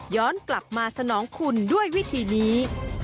กลับมาสนองคุณด้วยวิธีนี้